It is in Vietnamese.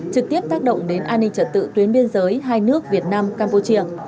trực tiếp tác động đến an ninh trật tự tuyến biên giới hai nước việt nam campuchia